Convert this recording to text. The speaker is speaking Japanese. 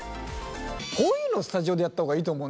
こういうのスタジオでやった方がいいと思うんだよね。